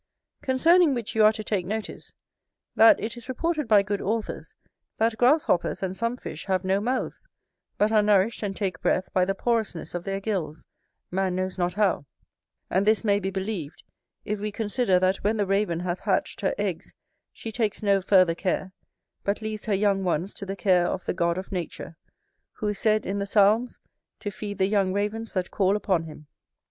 Concerning which you are to take notice, that it is reported by good authors, that grasshoppers and some fish have no mouths, but are nourished and take breath by the porousness of their gills, man knows not how: and this may be believed, if we consider that when the raven hath hatched her eggs, she takes no further care, but leaves her young ones to the care of the God of nature, who is said, in the Psalms, "to feed the young ravens that call upon him